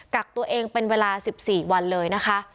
กักตัวเองเป็นเวลา๑๔วันเลยนะคะ